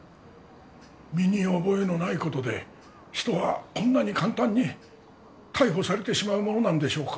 身に覚えのないことで人はこんなに簡単に逮捕されてしまうものなんでしょうか？